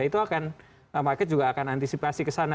itu market juga akan antisipasi kesana